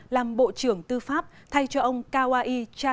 làm bộ trưởng tư pháp thay cho ông kawai kachiyuki